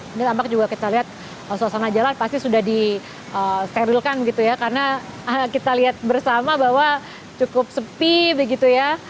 ini tampak juga kita lihat suasana jalan pasti sudah disterilkan gitu ya karena kita lihat bersama bahwa cukup sepi begitu ya